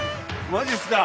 マジっすか？